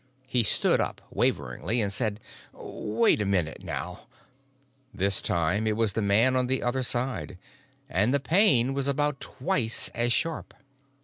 He stood up waveringly and said, "Wait a minute, now——" This time it was the man on the other side, and the pain was about twice as sharp.